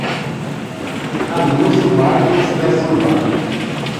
Anizio Marques da Silva